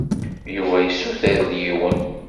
Yuba yessuter-d yiwen.